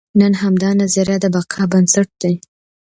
نن همدا نظریه د بقا بنسټ دی.